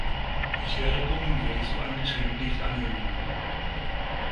Ich wäre dumm, wenn ich so ein Geschenk nicht annehmen würde“.